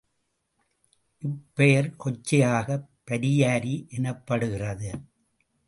இப்பெயர் கொச்சையாகப் பரியாரி எனப்படுகிறது.